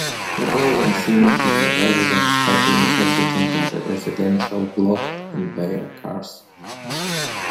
The closing scene is the residents happily exiting the residential block in their cars.